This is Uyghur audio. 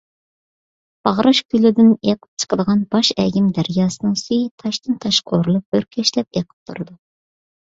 باغراش كۆلىدىن ئىېقىپ چىقىدىغان باش ئەگىم دەرياسىنىڭ سۈيى تاشتىن - تاشقا ئۇرۇلۇپ ئۆركەشلەپ ئىېقىپ تۇرۇدۇ .